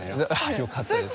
よかったです。